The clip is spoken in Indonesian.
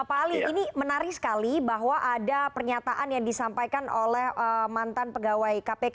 pak ali ini menarik sekali bahwa ada pernyataan yang disampaikan oleh mantan pegawai kpk